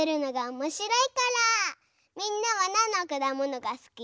みんなはなんのくだものがすき？